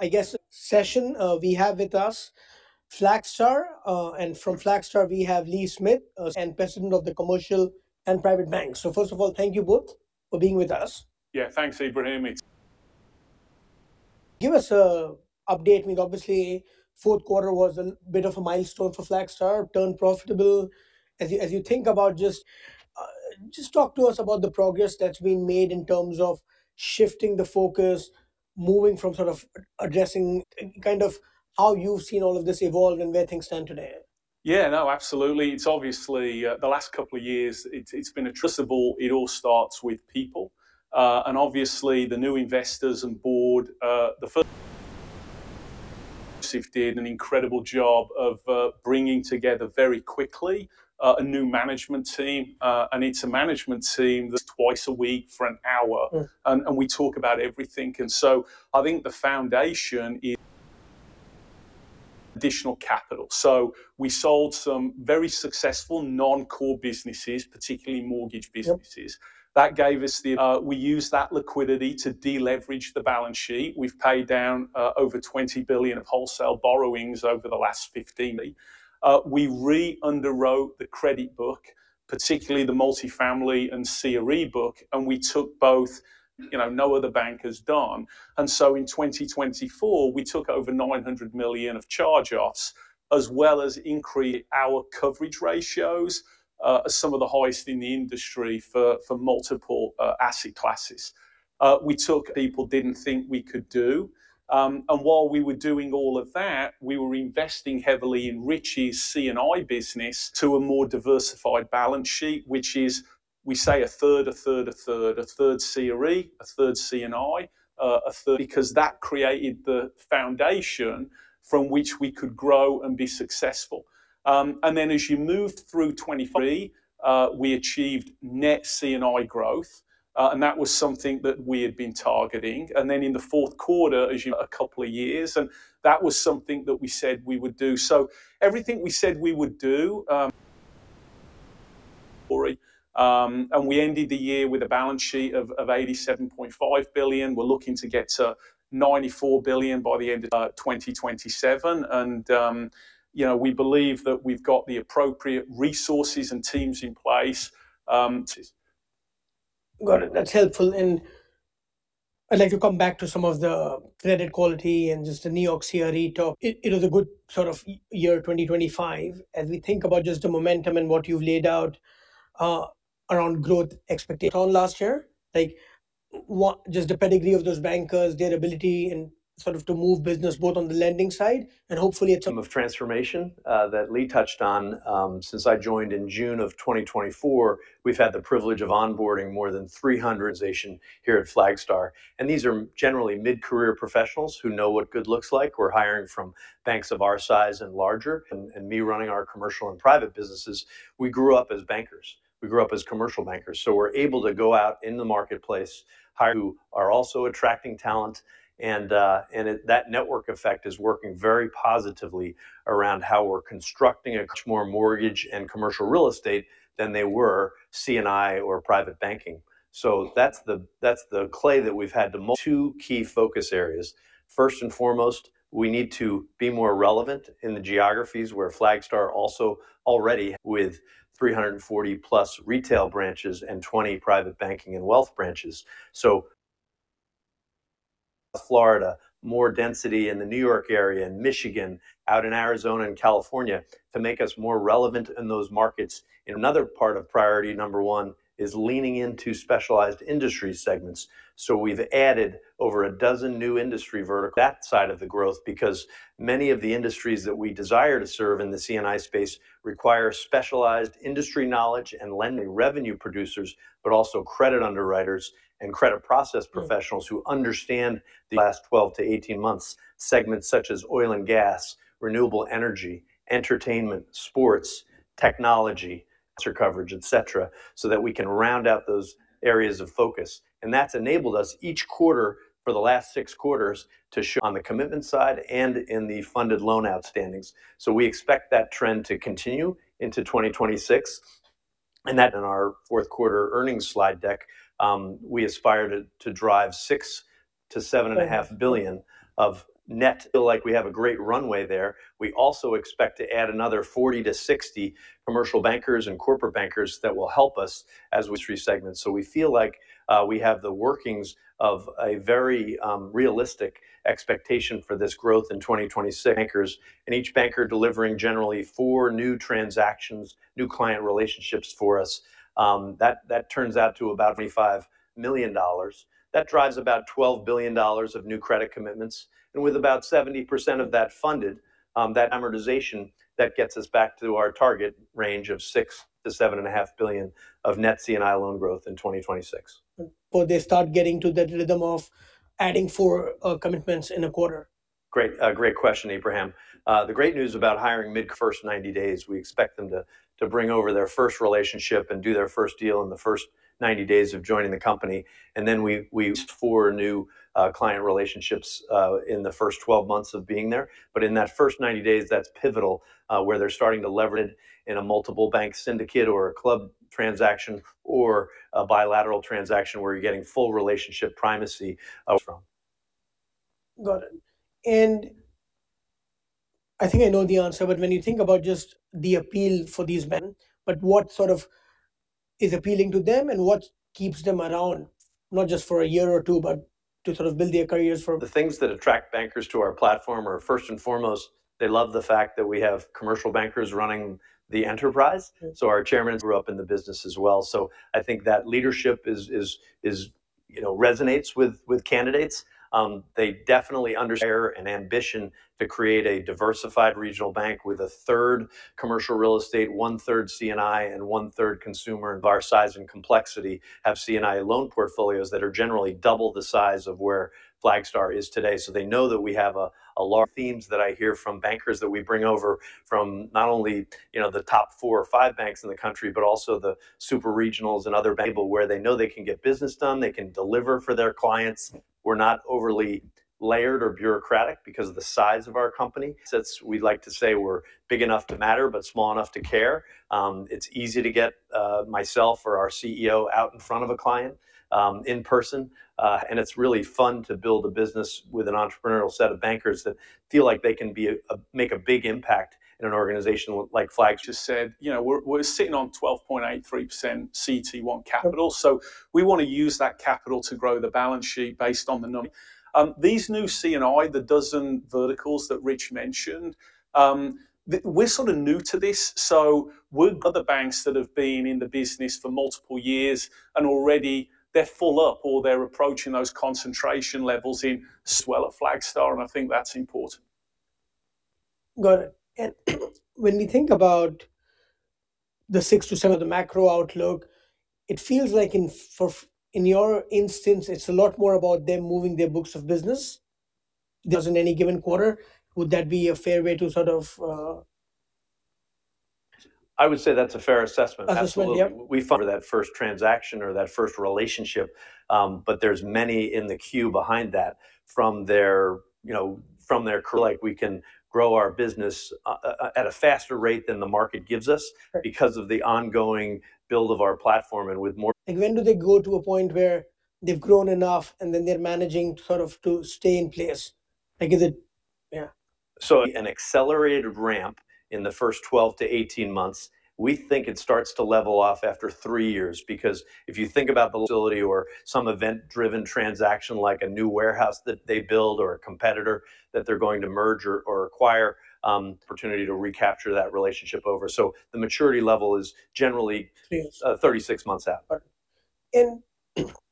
In this session, we have with us Flagstar, and from Flagstar we have Lee Smith, President of the Commercial and Private Bank. So first of all, thank you both for being with us. Yeah, thanks, Ebrahim. Give us an update. I mean, obviously, fourth quarter was a bit of a milestone for Flagstar, turned profitable. As you think about just talk to us about the progress that's been made in terms of shifting the focus, moving from sort of addressing. Kind of how you've seen all of this evolve and where things stand today. Yeah, no, absolutely. It's obviously the last couple of years; it's been a tough haul. It all starts with people. Obviously, the new investors and board, the first thing Joseph did an incredible job of bringing together very quickly a new management team. And it's a management team. Twice a week for an hour, and we talk about everything. And so I think the foundation is additional capital. So we sold some very successful non-core businesses, particularly mortgage businesses. That gave us the liquidity. We used that liquidity to deleverage the balance sheet. We've paid down over $20 billion of wholesale borrowings over the last 15 months. We re-underwrote the credit book, particularly the multifamily and CRE book, and we took both, you know, no other bank has done. And so in 2024, we took over $900 million of charge-offs, as well as increased our coverage ratios, as some of the highest in the industry for multiple asset classes. People didn't think we could do. And while we were doing all of that, we were investing heavily in Rich's C&I business to a more diversified balance sheet, which is, we say, a third, a third, a third, a third CRE, a third C&I, a third. Because that created the foundation from which we could grow and be successful. And then as you moved through 2025, we achieved net C&I growth, and that was something that we had been targeting. And then in the fourth quarter, as you. A couple of years, and that was something that we said we would do. So everything we said we would do, and we ended the year with a balance sheet of $87.5 billion. We're looking to get to $94 billion by the end of 2027. And, you know, we believe that we've got the appropriate resources and teams in place, to. Got it. That's helpful. And I'd like to come back to some of the credit quality and just the New York CRE talk. It was a good sort of year 2025. As we think about just the momentum and what you've laid out, around growth expectations. On last year? Like, what just the pedigree of those bankers, their ability in sort of to move business both on the lending side, and hopefully. Of transformation that Lee touched on, since I joined in June of 2024, we've had the privilege of onboarding more than 300 organization here at Flagstar. And these are generally mid-career professionals who know what good looks like. We're hiring from banks of our size and larger. And me running our commercial and private businesses, we grew up as bankers. We grew up as commercial bankers. So we're able to go out in the marketplace, hire who are also attracting talent. And that network effect is working very positively around how we're constructing a more mortgage and commercial real estate than they were C&I or private banking. So that's the clay that we've had to two key focus areas. First and foremost, we need to be more relevant in the geographies where Flagstar also already with 340+ retail branches and 20 private banking and wealth branches. So Florida, more density in the New York area, in Michigan, out in Arizona and California, to make us more relevant in those markets. Another part of priority number one is leaning into specialized industry segments. So we've added over a dozen new industry verticals. That side of the growth, because many of the industries that we desire to serve in the C&I space require specialized industry knowledge and lending revenue producers, but also credit underwriters and credit process professionals who understand the last 12-18 months, segments such as oil and gas, renewable energy, entertainment, sports, technology, sponsor coverage, etc., so that we can round out those areas of focus. And that's enabled us each quarter for the last 6 quarters to show on the commitment side and in the funded loan outstandings. So we expect that trend to continue into 2026. And that. In our fourth quarter earnings slide deck, we aspire to drive $6-$7.5 billion of net. Like we have a great runway there. We also expect to add another 40-60 commercial bankers and corporate bankers that will help us as we industry segments. So we feel like we have the workings of a very realistic expectation for this growth in 2026. Bankers, and each banker delivering generally 4 new transactions, new client relationships for us that turns out to about $25 million. That drives about $12 billion of new credit commitments. And with about 70% of that funded, that amortization that gets us back to our target range of $6 billion-$7.5 billion of net C&I loan growth in 2026. They start getting to that rhythm of adding four commitments in a quarter? Great, great question, Ebrahim. The great news about hiring mid. First 90 days. We expect them to bring over their first relationship and do their first deal in the first 90 days of joining the company. And then four new client relationships in the first 12 months of being there. But in that first 90 days, that's pivotal, where they're starting to leverage in a multiple bank syndicate or a club transaction or a bilateral transaction where you're getting full relationship primacy from. Got it. I think I know the answer, but when you think about just the appeal for these. What sort of is appealing to them and what keeps them around, not just for a year or two, but to sort of build their careers for? The things that attract bankers to our platform are, first and foremost, they love the fact that we have commercial bankers running the enterprise. So our Chairman grew up in the business as well. So I think that leadership is, you know, resonates with candidates. They definitely understand and ambition to create a diversified regional bank with a third commercial real estate, one third C&I, and one third consumer. Our size and complexity have C&I loan portfolios that are generally double the size of where Flagstar is today. So they know that we have a large themes that I hear from bankers that we bring over from not only, you know, the top four or five banks in the country, but also the super regionals and other where they know they can get business done, they can deliver for their clients. We're not overly layered or bureaucratic because of the size of our company. We'd like to say we're big enough to matter, but small enough to care. It's easy to get myself or our CEO out in front of a client in person. It's really fun to build a business with an entrepreneurial set of bankers that feel like they can make a big impact in an organization like Flagstar. Just said, you know, we're sitting on 12.83% CET1 capital. So we want to use that capital to grow the balance sheet based on the numbers. These new C&I, the dozen verticals that Rich mentioned, we're sort of new to this. Other banks that have been in the business for multiple years and already they're full up or they're approaching those concentration levels in. Well, at Flagstar, and I think that's important. Got it. And when we think about the 6-7. The macro outlook, it feels like in your instance, it's a lot more about them moving their books of business. In any given quarter? Would that be a fair way to sort of. I would say that's a fair assessment. Absolutely. That first transaction or that first relationship, but there's many in the queue behind that from their, you know, from their. Like we can grow our business at a faster rate than the market gives us because of the ongoing build of our platform and with more. Like when do they go to a point where they've grown enough and then they're managing sort of to stay in place? Like is it? So, an accelerated ramp in the first 12-18 months, we think it starts to level off after three years. Because if you think about the facility or some event-driven transaction like a new warehouse that they build or a competitor that they're going to merge or acquire, opportunity to recapture that relationship over. So the maturity level is generally 36 months out.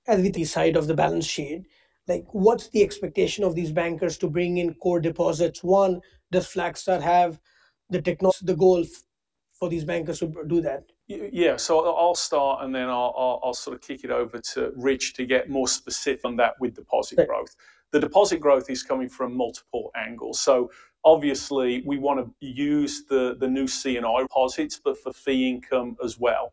As we side of the balance sheet, like what's the expectation of these bankers to bring in core deposits? One, does Flagstar have the technology. The goal for these bankers to do that? Yeah, so I'll start and then I'll sort of kick it over to Rich to get more specific that with deposit growth. The deposit growth is coming from multiple angles. So obviously, we want to use the new C&I deposits, but for fee income as well.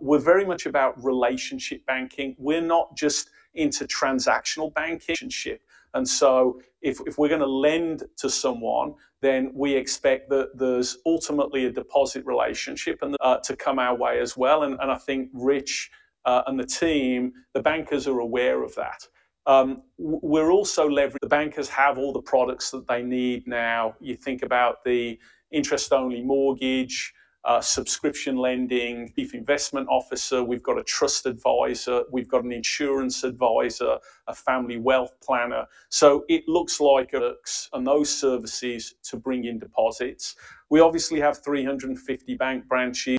We're very much about relationship banking. We're not just into transactional banking. Relationship. And so if we're going to lend to someone, then we expect that there's ultimately a deposit relationship and to come our way as well. And I think Rich and the team, the bankers are aware of that. We're also leveraging. The bankers have all the products that they need now. You think about the interest-only mortgage, subscription lending, chief investment officer. We've got a trust advisor. We've got an insurance advisor, a family wealth planner. So it looks like works and those services to bring in deposits. We obviously have 350 bank branches in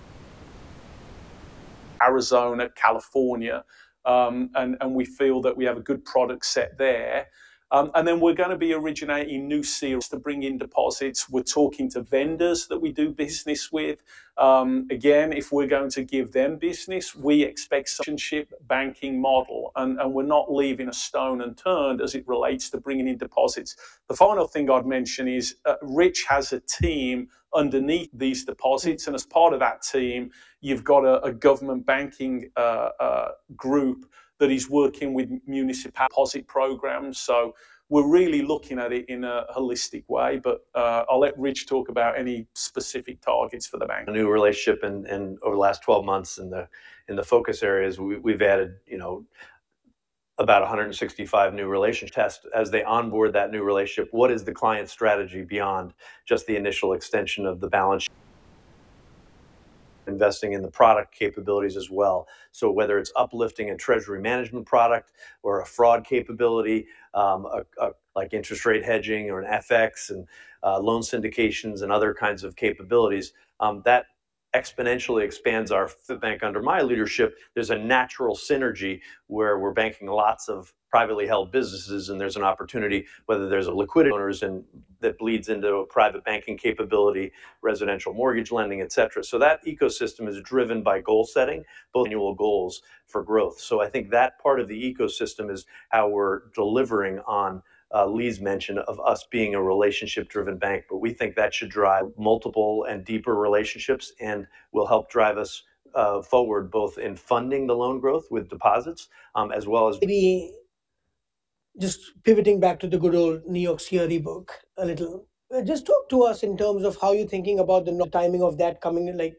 Arizona, California, and we feel that we have a good product set there. And then we're going to be originating new to bring in deposits. We're talking to vendors that we do business with. Again, if we're going to give them business, we expect relationship banking model. And we're not leaving a stone unturned as it relates to bringing in deposits. The final thing I'd mention is Rich has a team underneath these deposits. And as part of that team, you've got a Government Banking Group that is working with municipal deposit programs. So we're really looking at it in a holistic way. But I'll let Rich talk about any specific targets for the bank new relationship and over the last 12 months in the focus areas, we've added, you know, about 165 new relationship. As they onboard that new relationship, what is the client strategy beyond just the initial extension of the balance sheet? Investing in the product capabilities as well. So whether it's uplifting a treasury management product or a fraud capability, like interest rate hedging or an FX and loan syndications and other kinds of capabilities, that exponentially expands our bank under my leadership, there's a natural synergy where we're banking lots of privately held businesses and there's an opportunity, whether there's a liquidity that bleeds into private banking capability, residential mortgage lending, etc. So that ecosystem is driven by goal setting, both annual goals for growth. So I think that part of the ecosystem is how we're delivering on Lee's mention of us being a relationship-driven bank. But we think that should drive. Multiple and deeper relationships and will help drive us forward both in funding the loan growth with deposits, as well as. Maybe just pivoting back to the good old New York CRE book a little. Just talk to us in terms of how you're thinking about the timing of that coming, like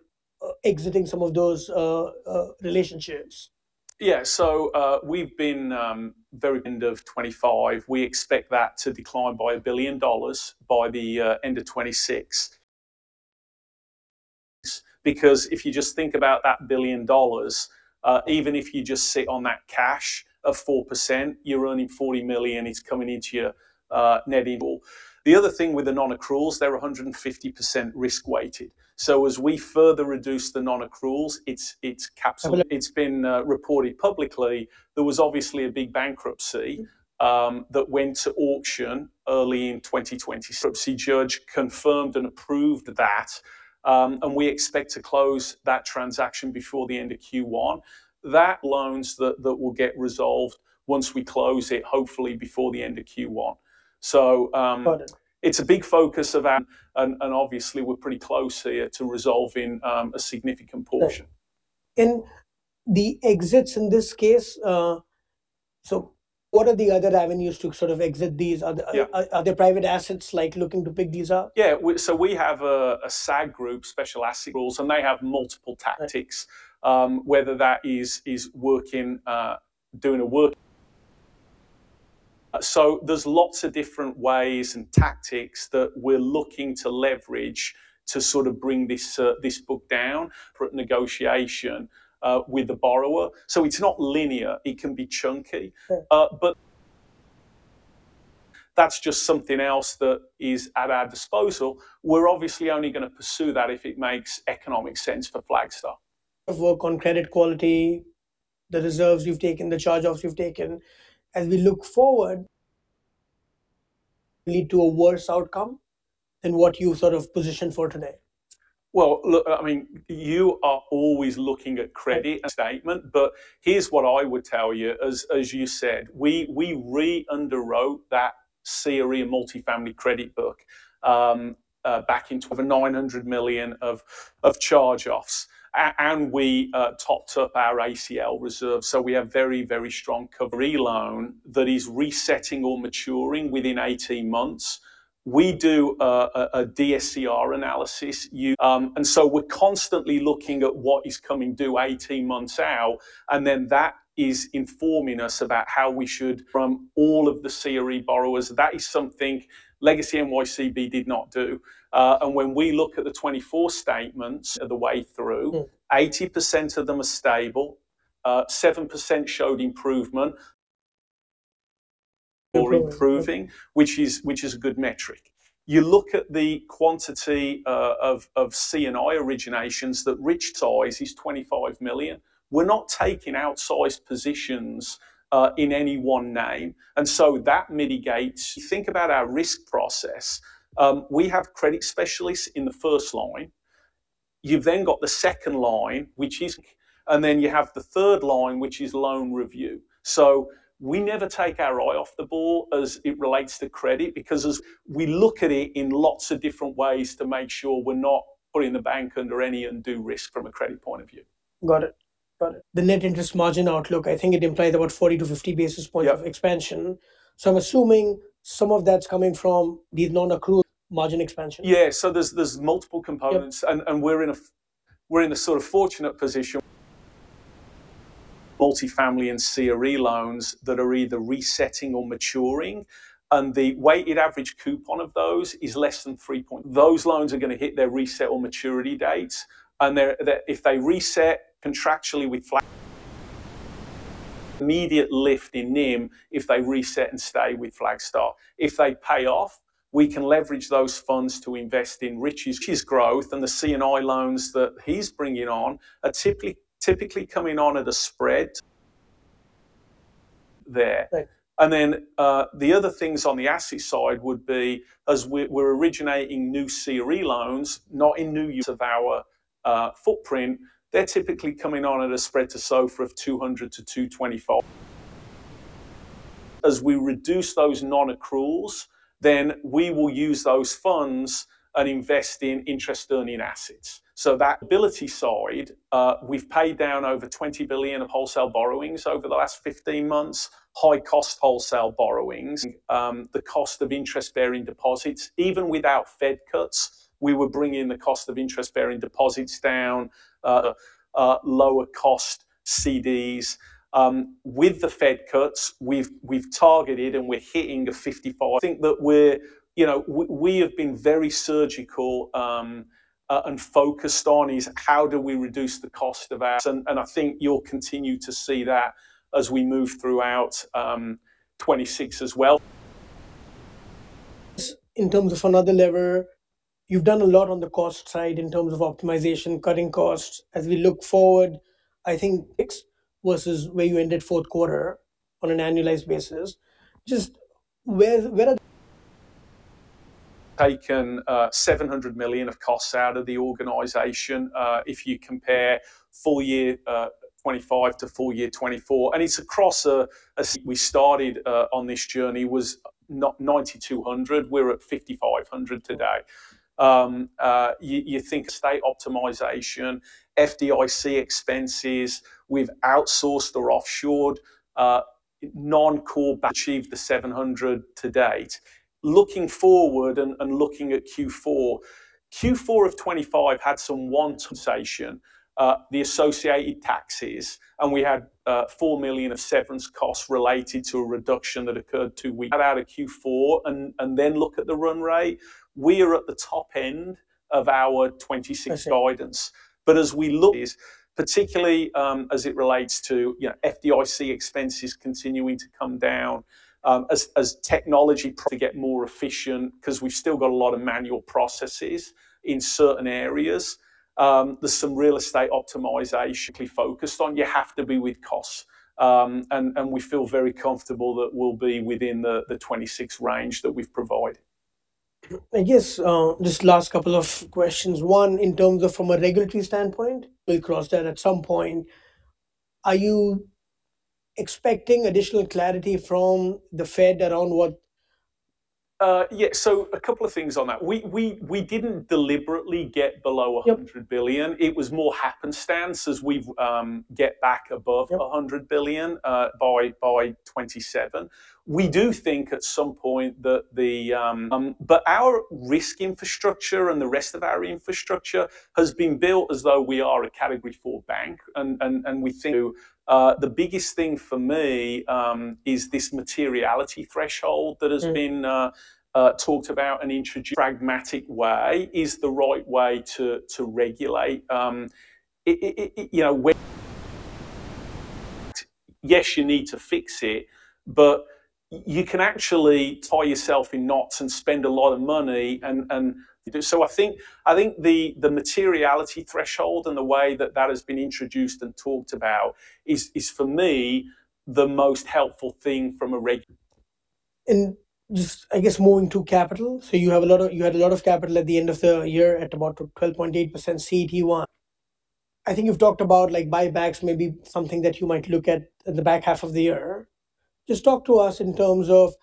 exiting some of those relationships? Yeah, so end of 2025, we expect that to decline by $1 billion by the end of 2026. Because if you just think about that $1 billion, even if you just sit on that cash of 4%, you're earning $40 million. It's coming into your net. The other thing with the non-accruals, they're 150% risk-weighted. So as we further reduce the non-accruals, it's encapsulated. It's been reported publicly. There was obviously a big bankruptcy that went to auction early in 2026. Judge confirmed and approved that, and we expect to close that transaction before the end of Q1. Loans that will get resolved once we close it, hopefully before the end of Q1. So it's a big focus of. And obviously, we're pretty close here to resolving a significant portion. The exits in this case, so what are the other avenues to sort of exit these? Are there private assets like looking to pick these up? Yeah, so we have a SAG, Special Assets Group, and they have multiple tactics, whether doing a workout. so there's lots of different ways and tactics that we're looking to leverage to sort of bring this book down. Negotiation with the borrower. So it's not linear. It can be chunky. But that's just something else that is at our disposal. We're obviously only going to pursue that if it makes economic sense for Flagstar. Work on credit quality, the reserves you've taken, the charge-offs you've taken, as we look forward, lead to a worse outcome than what you've sort of positioned for today? Well, look, I mean, you are always looking at credit statements. But here's what I would tell you, as you said, we re-underwrote that CRE Multifamily Credit Book back in—over $900 million of charge-offs. And we topped up our ACL reserves. So we have very, very strong coverage on CRE loans that are resetting or maturing within 18 months. We do a DSCR analysis. And so we're constantly looking at what is coming due 18 months out. And then that is informing us about how we should—from all of the CRE borrowers. That is something Legacy NYCB did not do. And when we look at the 2024 statements—the way through, 80% of them are stable, 7% showed improvement or improving, which is a good metric. You look at the quantity of C&I originations that Rich says is $25 million. We're not taking outsized positions in any one name. And so that mitigates. Think about our risk process. We have credit specialists in the first line. You've then got the second line, which is. And then you have the third line, which is loan review. So we never take our eye off the ball as it relates to credit because. We look at it in lots of different ways to make sure we're not putting the bank under any undue risk from a credit point of view. Got it. Got it. The net interest margin outlook, I think it implies about 40-50 basis points of expansion. So I'm assuming some of that's coming from these non-accrual margin expansion? Yeah, so there's multiple components. And we're in a sort of fortunate position. Multifamily and CRE loans that are either resetting or maturing. And the weighted average coupon of those is less than three. Those loans are going to hit their reset or maturity dates. And if they reset contractually with Flagstar. Immediate lift in NIM if they reset and stay with Flagstar. If they pay off, we can leverage those funds to invest in Rich's growth. And the C&I loans that he's bringing on are typically coming on at a spread. There. And then the other things on the asset side would be, as we're originating new CRE loans within our footprint, they're typically coming on at a spread to SOFR of 200-225. As we reduce those non-accruals, then we will use those funds and invest in interest-earning assets. So that. Liability side, we've paid down over $20 billion of wholesale borrowings over the last 15 months, high-cost wholesale borrowings. The cost of interest-bearing deposits. Even without Fed cuts, we were bringing the cost of interest-bearing deposits down. Lower-cost CDs. With the Fed cuts, we've targeted and we're hitting a 55. The thing that we have been very surgical and focused on is how do we reduce the cost of. And I think you'll continue to see that as we move throughout 2026 as well. In terms of another lever, you've done a lot on the cost side in terms of optimization, cutting costs. As we look forward, I think versus where you ended fourth quarter on an annualized basis. Just where are. Taken $700 million of costs out of the organization if you compare full year 2025 to full year 2024. And it's across a. We started on this journey was 9,200. We're at 5,500 today. You think. Real estate optimization, FDIC expenses. We've outsourced or offshored non-core. Achieved the $700 million to date. Looking forward and looking at Q4, Q4 of 2025 had some one. Compensation, the associated taxes, and we had $4 million of severance costs related to a reduction that occurred two. Out of Q4 and then look at the run rate, we are at the top end of our 2026 guidance. But as we look. Is, particularly as it relates to FDIC expenses continuing to come down, as technology. To get more efficient because we've still got a lot of manual processes in certain areas. There's some real estate optimization. Focused on. You have to be with costs. We feel very comfortable that we'll be within the 2026 range that we've provided. I guess just last couple of questions. One, in terms of from a regulatory standpoint, we'll cross that at some point, are you expecting additional clarity from the Fed around what? Yeah, so a couple of things on that. We didn't deliberately get below $100 billion. It was more happenstance as we get back above $100 billion by 2027. We do think at some point that the. But our risk infrastructure and the rest of our infrastructure has been built as though we are a category four bank. And we think. The biggest thing for me is this materiality threshold that has been talked about and. Pragmatic way is the right way to regulate. Yes, you need to fix it. But you can actually tie yourself in knots and spend a lot of money. So I think the materiality threshold and the way that that has been introduced and talked about is, for me, the most helpful thing from a regular. Just, I guess, moving to capital. So you had a lot of capital at the end of the year at about 12.8% CET1. I think you've talked about buybacks, maybe something that you might look at in the back half of the year. Just talk to us in terms of.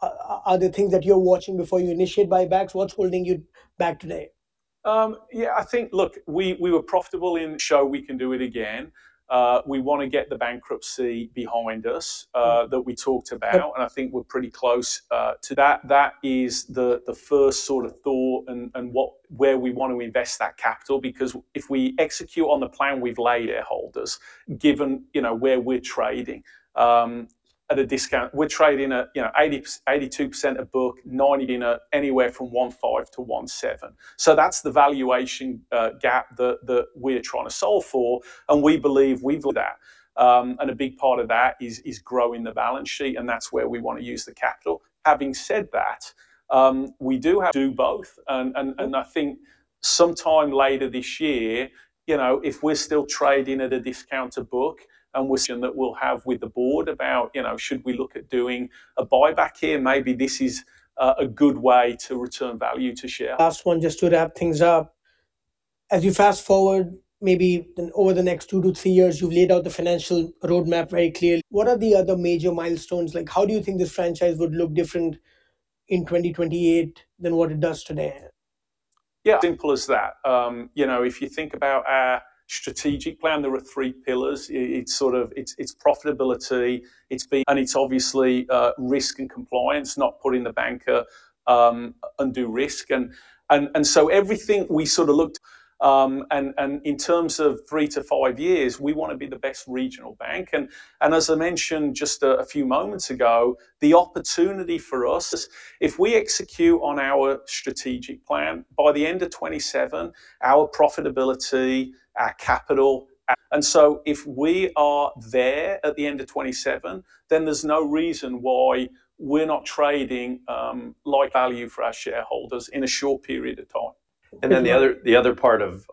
Are there things that you're watching before you initiate buybacks? What's holding you back today? Yeah, I think, look, we were profitable in. Show we can do it again. We want to get the bankruptcy behind us that we talked about. And I think we're pretty close to. That is the first sort of thought and where we want to invest that capital. Because if we execute on the plan we've laid. Shareholders, given where we're trading at a discount. We're trading 82% of book, 90%. In anywhere from 1.5-1.7. So that's the valuation gap that we're trying to solve for. And we believe. That. And a big part of that is growing the balance sheet. And that's where we want to use the capital. Having said that, we do have. Do both. And I think sometime later this year, if we're still trading at a discount of book and. That we'll have with the board about should we look at doing a buyback here? Maybe this is a good way to return value to share. Last one, just to wrap things up. As you fast forward, maybe over the next 2-3 years, you've laid out the financial roadmap very clearly. What are the other major milestones? How do you think this franchise would look different in 2028 than what it does today? Yeah. Simple as that. If you think about our strategic plan, there are three pillars. It's profitability. And it's obviously risk and compliance, not putting the bank at undue risk. And so everything we sort of looked at. And in terms of 3-5 years, we want to be the best regional bank. And as I mentioned just a few moments ago, the opportunity for us. If we execute on our strategic plan, by the end of 2027, our profitability, our capital. And so if we are there at the end of 2027, then there's no reason why we're not trading like value for our shareholders in a short period of time. And then the other part of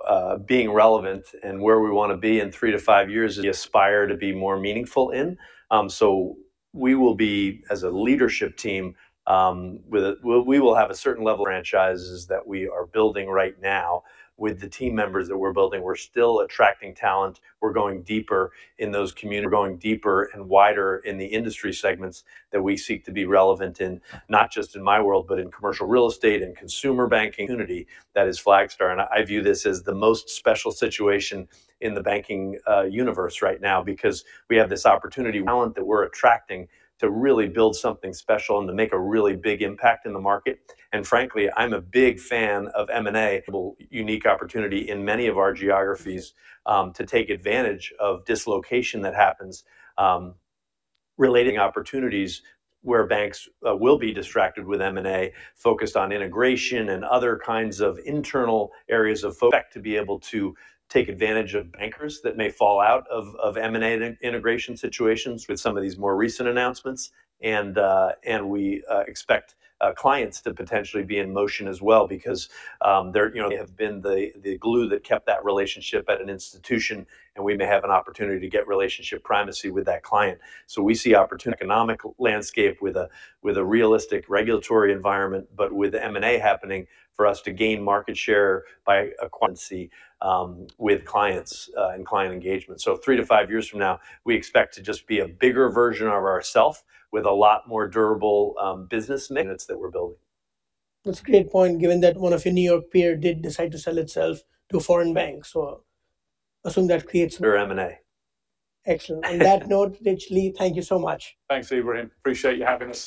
being relevant and where we want to be in 3-5 years, aspire to be more meaningful in. So we will be, as a leadership team, we will have a certain level of franchises that we are building right now with the team members that we're building. We're still attracting talent. We're going deeper in those communities. We're going deeper and wider in the industry segments that we seek to be relevant in, not just in my world, but in commercial real estate, in consumer banking, the community that is Flagstar. And I view this as the most special situation in the banking universe right now because we have this opportunity, talent that we're attracting to really build something special and to make a really big impact in the market. And frankly, I'm a big fan of M&A. Unique opportunity in many of our geographies to take advantage of dislocation that happens related opportunities where banks will be distracted with M&A, focused on integration and other kinds of internal areas. To be able to take advantage of bankers that may fall out of M&A integration situations with some of these more recent announcements. And we expect clients to potentially be in motion as well because they're have been the glue that kept that relationship at an institution. And we may have an opportunity to get relationship primacy with that client. So we see opportunity economic landscape with a realistic regulatory environment, but with M&A happening for us to gain market share by a with clients and client engagement. So 3-5 years from now, we expect to just be a bigger version of ourself with a lot more durable business units that we're building. That's a great point, given that one of your New York peers did decide to sell itself to a foreign bank. So assume that creates. M&A. Excellent. On that note, Rich, Lee, thank you so much. Thanks, Ebrahim. Appreciate you having me.